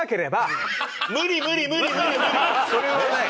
それはない。